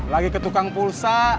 lagi ke tukang pulsa